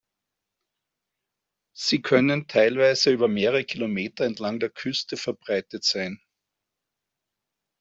Sie können teilweise über mehrere Kilometer entlang der Küste verbreitet sein.